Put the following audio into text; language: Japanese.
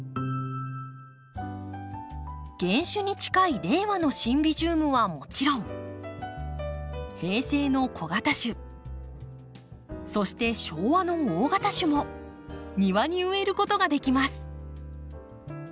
原種に近い令和のシンビジウムはもちろん平成の小型種そして昭和の大型種も庭に植えることができます。